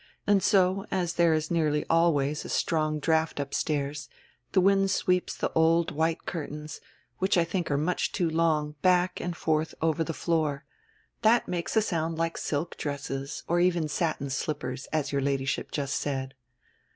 And so, as there is nearly always a strong draft upstairs, die wind sweeps die old white curtains, which I diink are much too long, back and forth over die floor. That makes a sound like silk dresses, or even satin slippers, as your Ladyship just said."